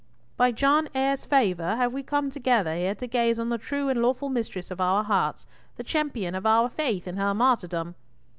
"By John Eyre's favour have we come together here to gaze on the true and lawful mistress of our hearts, the champion of our faith, in her martyrdom."